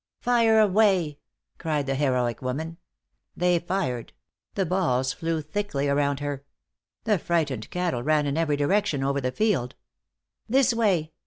"Fire away!" cried the heroic woman. They fired! The balls flew thickly around her. The frightened cattle ran in every direction over the field. "This way!"